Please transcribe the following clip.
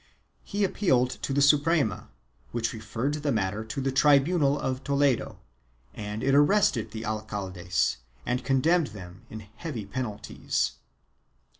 He appealed to the Suprema which referred the matter to the tribunal of Toledo and it arrested the alcaldes and condemned them in heavy penalties.